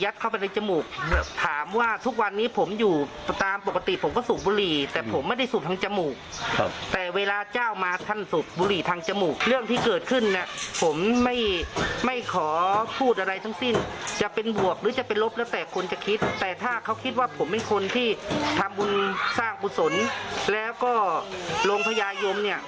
แต่ถ้าเขาคิดว่าผมเป็นคนที่ทำบุญสร้างบุษลแล้วก็โรงพยายมเนี่ย